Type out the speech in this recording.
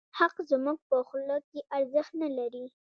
حق زموږ په خوله کې ارزښت نه لري.